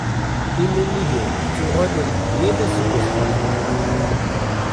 Iminigen ttuɣalen-d yal aseggas ɣer tmurt.